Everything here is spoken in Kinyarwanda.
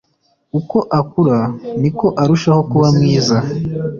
uko akura, niko arushaho kuba mwiza